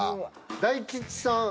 大吉さん